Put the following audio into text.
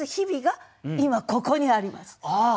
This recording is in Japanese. ああ！